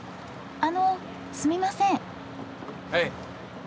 あのすみません。